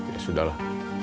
ya sudah lah